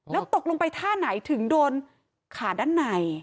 แล้วตกลงไปท่าไหนถึงโดนขาด้านใน